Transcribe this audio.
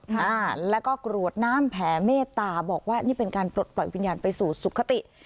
อ่าแล้วก็กรวดน้ำแผ่เมตตาบอกว่านี่เป็นการปลดปล่อยวิญญาณไปสู่สุขติ